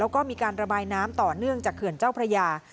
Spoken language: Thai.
แล้วก็มีการระบายน้ำต่อเนื่องจากเขื่อนเจ้าพระยา